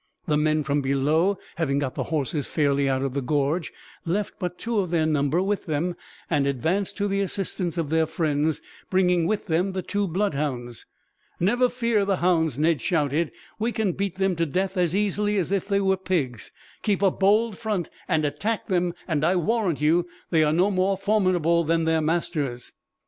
The men from below, having got the horses fairly out of the gorge, left but two of their number with them, and advanced to the assistance of their friends, bringing with them the two bloodhounds. "Never fear the hounds," Ned shouted. "We can beat them to death, as easily as if they were pigs. Keep a bold front and attack them, and I warrant you they are no more formidable than their masters."